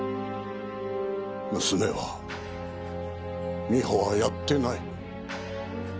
娘は美穂はやってない。